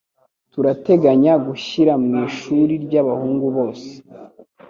Turateganya gushyira mwishuri ryabahungu bose.